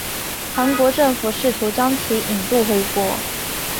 韩国政府试图将其引渡回国。